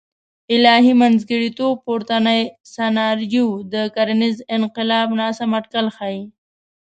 الهي منځګړیتوب پورتنۍ سناریو د کرنیز انقلاب ناسم اټکل ښیي.